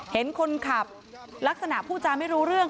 เห็นคนขับลักษณะพูดจาไม่รู้เรื่อง